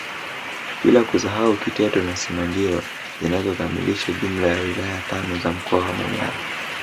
Bila kusahau Kiteto na Simanjiro zinazokamilisha jumla ya wilaya tano za mkoa wa Manyara